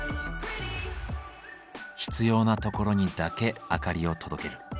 必要なところにだけ明かりを届ける。